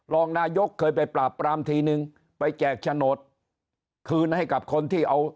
รองนายกเคยไปปราบปรามทีนึงไปแจกโฉนดคืนให้กับคนที่เอา